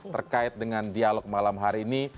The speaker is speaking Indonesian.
terkait dengan dialog malam hari ini